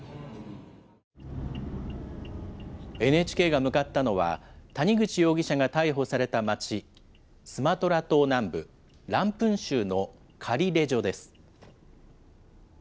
ＮＨＫが向かったのは、谷口容疑者が逮捕された町、スマトラ島南部ランプン州のカリレジョです。